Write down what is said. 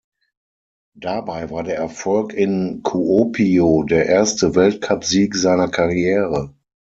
Dabei war der Erfolg in Kuopio der erste Weltcupsieg seiner Karriere.